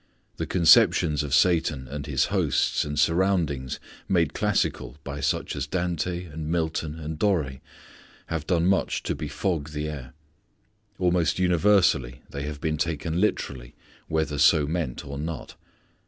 The conceptions of Satan and his hosts and surroundings made classical by such as Dante and Milton and Doré have done much to befog the air. Almost universally they have been taken literally whether so meant or not.